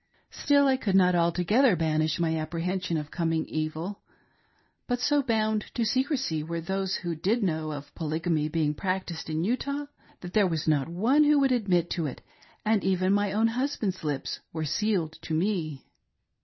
Still I could not altogether banish my apprehension of coming evil ; but so bound to secresy were those who did know of Polygamy being practiced in Utah, that there was not one who would admit it, and even my own husband's lips were sealed to me.